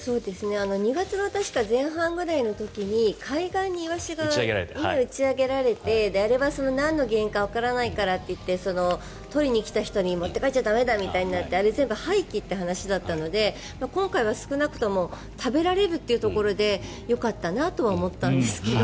２月の前半くらいの時に海岸にイワシが打ち上げられてあれは何が原因かわからないからといって取りに来た人に持って帰っちゃ駄目だと言ってあれば全部廃棄になったみたいなので今回は少なくとも食べられるというところでよかったなと思ったんですけど。